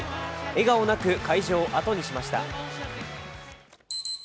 笑顔なく会場を後にしました。